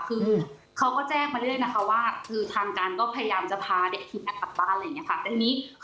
คือเขาก็แจ้งมาเรื่อยนะคะว่าคือทางการก็พยายามจะพาเด็กทีมนั้นกลับบ้านอะไรอย่างนี้ค่ะ